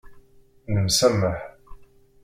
Nemsamaḥ.